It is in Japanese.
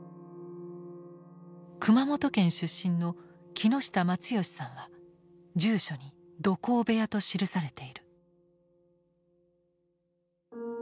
熊本県出身の木下松喜さんは住所に「土工部屋」と記されている。